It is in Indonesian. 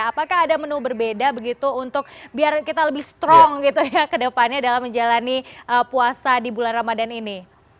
apakah ada menu berbeda begitu untuk biar kita lebih strong gitu ya ke depannya dalam menjalani puasa di bulan ramadan ini